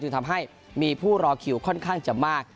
ทำให้มีผู้รอคิวค่อนข้างจะมาก